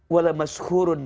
wala mas hurun